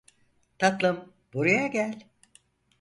Tatlım, buraya gel.